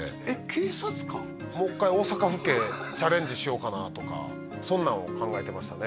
「もう一回大阪府警」「チャレンジしようかな」とかそんなんを考えてましたね